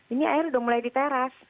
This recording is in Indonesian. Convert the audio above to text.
ini air sudah mulai diteras